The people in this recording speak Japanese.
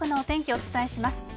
お伝えします。